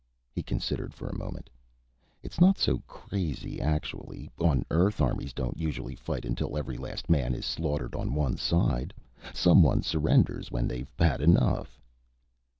He considered for a moment. "It's not so crazy, actually. On Earth, armies don't usually fight until every last man is slaughtered on one side. Someone surrenders when they've had enough."